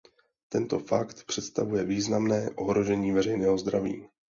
Tento fakt představuje významné ohrožení veřejného zdraví.